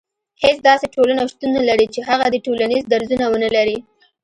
هيڅ داسي ټولنه شتون نه لري چي هغه دي ټولنيز درځونه ونلري